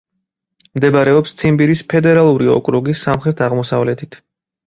მდებარეობს ციმბირის ფედერალური ოკრუგის სამხრეთ-აღმოსავლეთით.